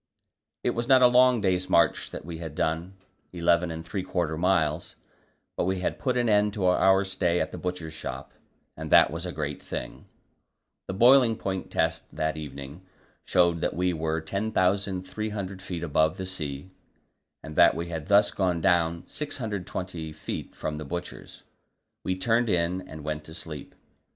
It was not a long day's march that we had done eleven and three quarter miles but we had put an end to our stay at the Butcher's Shop, and that was a great thing. The boiling point test that evening showed that we were 10,300 feet above the sea, and that we had thus gone down 620 feet from the Butcher's. We turned in and went to sleep.